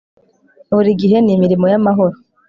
buri gihe ni imirimo y'amahoro